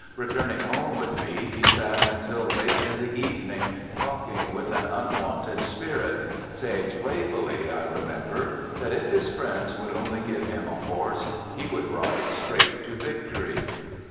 Returning home with me, he sat until late in the evening talking with an unwonted spirit, saying playfully, I remember, that, if his friends would only give him a horse, he would ride straight to victory.